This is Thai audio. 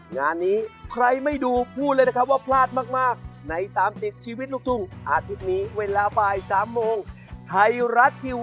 งานนี้ใครไม่ดูพูดเลยนะครับว่าพลาดมากในตามติดชีวิตลูกทุ่งอาทิตย์นี้เวลาบ่าย๓โมงไทยรัฐทีวี